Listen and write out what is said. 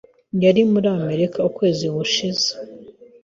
Yari muri Amerika ukwezi gushize.